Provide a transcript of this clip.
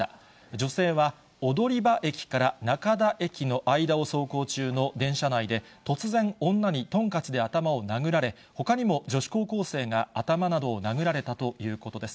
女性は踊場駅から中田駅の間を走行中の電車内で、突然、女にトンカチで頭を殴られ、ほかにも女子高校生が頭などを殴られたということです。